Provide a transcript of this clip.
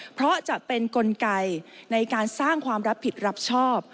เพราะจะเป็นกลไกในการสร้างความรับผิดรับชอบ